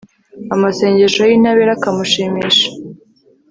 amasengesho y'intabera akamushimisha